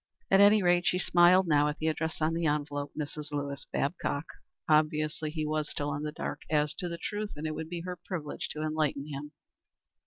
At any rate she smiled now at the address on the envelope Mrs. Lewis Babcock. Obviously he was still in the dark as to the truth, and it would be her privilege to enlighten him.